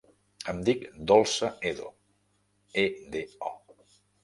Em dic Dolça Edo: e, de, o.